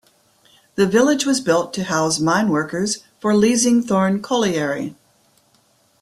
The village was built to house mineworkers for Leasingthorne Colliery.